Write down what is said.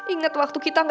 ingat waktu kita berdua